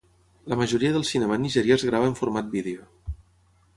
La majoria del cinema nigerià es grava en format vídeo.